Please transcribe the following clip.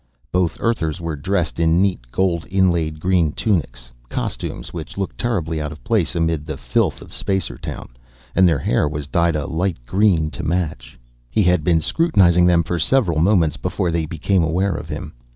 _ Both Earthers were dressed in neat, gold inlaid green tunics, costumes which looked terribly out of place amid the filth of Spacertown, and their hair was dyed a light green to match. He had been scrutinizing them for several moments before they became aware of him.